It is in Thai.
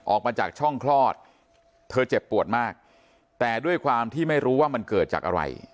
ออกมาจากช่องคลอดเธอเจ็บปวดมากแต่ด้วยความที่ไม่รู้ว่ามันเกิดจากอะไร